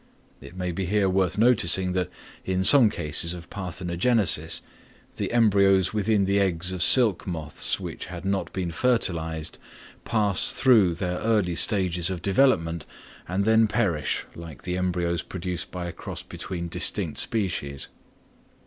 It may be here worth noticing that in some cases of parthenogenesis, the embryos within the eggs of silk moths which had not been fertilised, pass through their early stages of development and then perish like the embryos produced by a cross between distinct species.